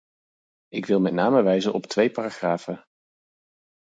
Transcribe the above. Ik wil met name wijzen op twee paragrafen.